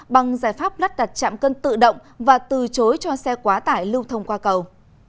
bằng giải pháp lắp đặt chạm cân tự động và từ chối cho xe quá tải lưu thông qua cầu